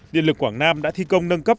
điện lực quảng nam đã thi công nâng cấp